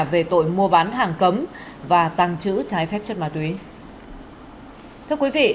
về tội mua bán hàng cấm và tăng trữ trái phép chất ma túy